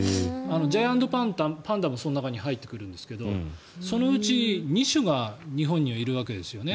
ジャイアントパンダもその中に入ってくるんですがそのうち２種が日本にはいるわけですよね。